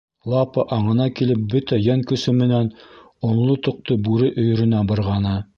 Лапа аңына килеп бөтә йән көсө менән онло тоҡто бүре өйөрөнә бырғаны.